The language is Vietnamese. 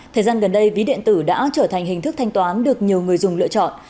thời gian gần đây ví điện tử đã trở thành hình thức thanh toán được nhiều người dùng lựa chọn